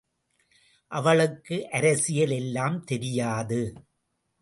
அவளுக்கு அரசியல் எல்லாம் தெரியாது.